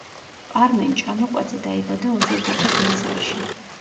პარმენ ჭანუყვაძე დაიბადა ოზურგეთის მაზრაში.